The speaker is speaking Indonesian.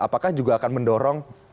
apakah juga akan mendorong